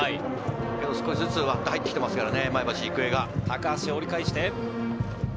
少しずつ割って入ってきてますからね、前橋育英が。